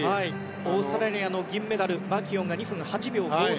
オーストラリアの銀メダルマキュオンが２分８秒５７。